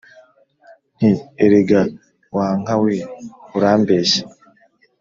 nti "erega wa nka we urambeshya !"